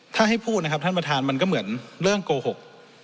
ถ้าให้พูดนะครับท่านประธานมันก็เหมือนเรื่องโกหก